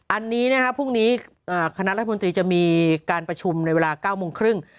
อันนี้นะครับพรุ่งนี้คณะรัฐมนตรีจะมีการประชุมในเวลา๙โมงครึ่ง